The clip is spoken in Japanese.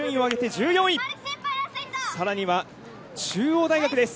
さらには中央大学です。